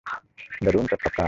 The runes of কাফকাল।